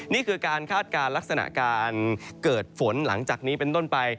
นี่คือการคาดการณ์ลักษณะการเกิดฝนหลังจากนี้เป็นต้นไป